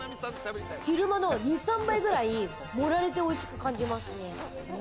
昼間の２３倍くらい盛られて美味しく感じますね。